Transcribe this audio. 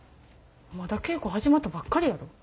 まだ稽古始まったばっかりやろ。